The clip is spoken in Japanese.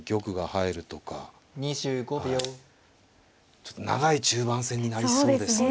ちょっと長い中盤戦になりそうですね。